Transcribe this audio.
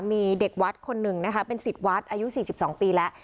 มีเด็กวัดคนหนึ่งนะคะเป็นสิทธิ์วัดอายุ๔๒ปีแล้ว